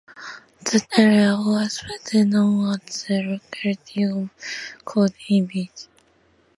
That area was better known as the locality of "Coogee Beach".